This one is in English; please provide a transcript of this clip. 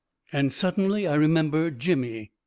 And suddenly I remembered Jimmy.